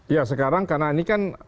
ya sekarang karena ini kan